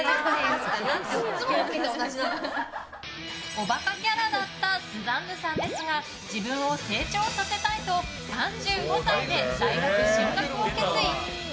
おバカキャラだったスザンヌさんですが自分を成長させたいと３５歳で大学進学を決意。